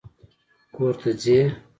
کور ته ځې؟